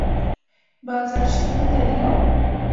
بازار شتون لري